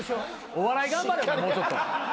お笑い頑張れもうちょっと。